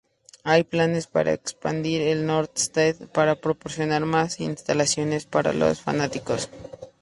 Hay planes para expandir el North Stand para proporcionar más instalaciones para los fanáticos.